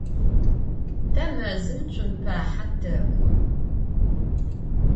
Te mezım tsumpahe tek'o.